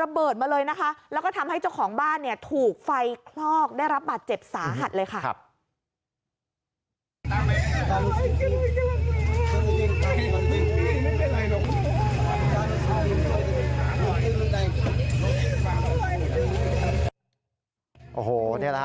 ระเบิดมาเลยและก็ทำให้เจ้าของบ้านถูกไฟคลอกได้รับบาทเจ็บสาหัดเลยใช่ไหมครับ